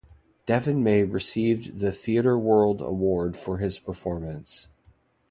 Deven May received the Theatre World Award for his performance.